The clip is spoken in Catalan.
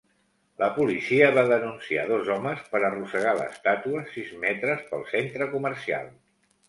La policia va denunciar dos homes per arrossegar l'estàtua sis metres pel centre comercial.